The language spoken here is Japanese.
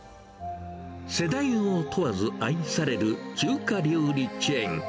世代を問わず愛される中華料理チェーン。